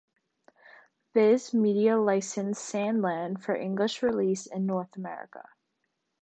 Viz Media licensed "Sand Land" for English release in North America.